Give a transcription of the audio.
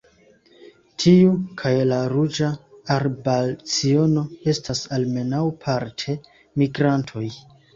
Tiu kaj la Ruĝa arbalciono estas almenaŭ parte migrantoj.